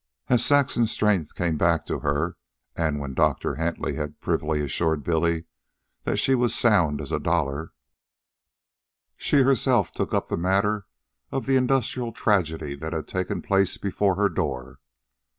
As Saxon's strength came back to her (and when Doctor Hentley had privily assured Billy that she was sound as a dollar), she herself took up the matter of the industrial tragedy that had taken place before her door.